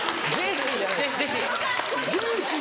ジェーシー。